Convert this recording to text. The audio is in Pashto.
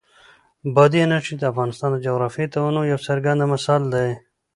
بادي انرژي د افغانستان د جغرافیوي تنوع یو څرګند مثال دی.